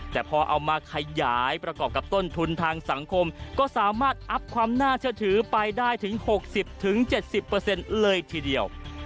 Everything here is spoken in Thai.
แต่พอเอามาขยายประกอบกับต้นทุนทางสังคมก็สามารถอัพความน่าเชื่อถือไปได้ถึง๖๐๗๐เลยทีเดียว